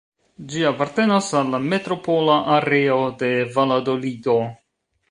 Ĝi apartenas al la Metropola Areo de Valadolido.